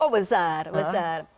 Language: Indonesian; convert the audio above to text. oh besar besar